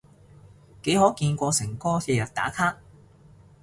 幾可見過誠哥日日打卡？